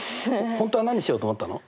本当は何しようと思ったの？